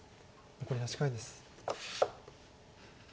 残り８回です。